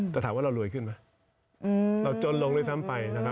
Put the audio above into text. แต่ถามว่าเรารวยขึ้นไหมเราจนลงด้วยซ้ำไปนะครับ